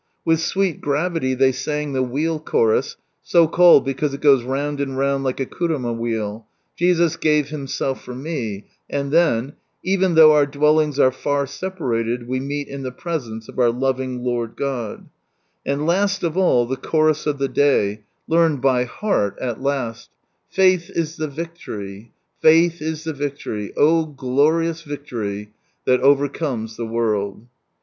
With sweet gravity they sang ihe " wheel chonis," so called because it goes round and round like a kuruma wheel, "Jesus gave Himself for me," and then —" Kvcn though uur liwellings ore fnt leparaleil We meel in ihe presence of our loving Lord God," And last of all the chorus of the day— learned iy heart at last— " Faith is the victory, Faith is Ihe vtclory, O glorious victory That overcomes tlie world